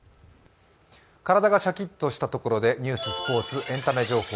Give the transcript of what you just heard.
体がシャキッとしたところでニュース、スポーツ、エンタメ情報。